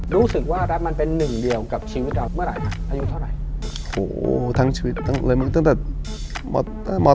รู้สึกว่ารัฐมันเป็นหนึ่งเดียวกับชีวิตเราเมื่อไหร่นะอายุเท่าไหร่